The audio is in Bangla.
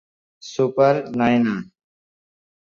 সুপার, নায়না!